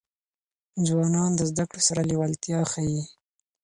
ځوانان د زدهکړو سره لېوالتیا ښيي.